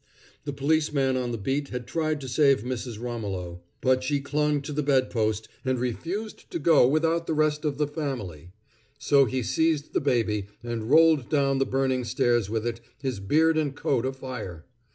The policeman on the beat had tried to save Mrs. Romolo; but she clung to the bedpost, and refused to go without the rest of the family. So he seized the baby, and rolled down the burning stairs with it, his beard and coat afire.